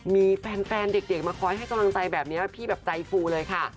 มีแฟนเด็กมาคอยให้กำลังใจแบบนี้พี่แบบใจฟูเลยค่ะ